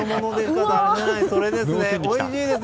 おいしいです。